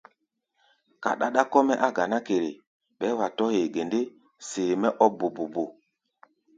Ka ɗáɗá kɔ́-mɛ́ á ganá kere, bɛɛ́ wa tɔ̧́ hee ge ndé, see-mɛ́ ɔ́ bobobo.